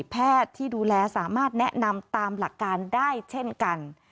แพทย์ที่ดูแลสามารถแนะนำตามหลักการได้เช่นกัน